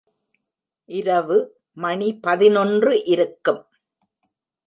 இரவு மணி பதினொன்று இருக்கும்.